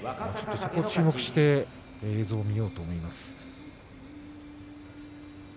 そこを注目して映像を見ようと思います。